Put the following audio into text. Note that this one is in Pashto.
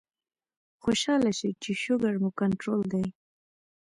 خوشاله شئ چې شوګر مو کنټرول دے